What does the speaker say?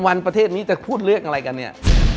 วันประเทศนี้จะพูดเรื่องอะไรกันเนี่ย